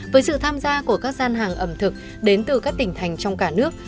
với sự tham gia của các gian hàng ẩm thực đến từ các tỉnh thành trong cả nước